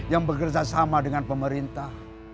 yang bekerja sama dengan pemerintah